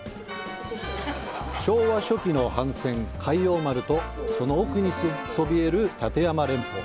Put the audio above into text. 昭和初期の帆船、海王丸と、その奥にそびえる立山連峰。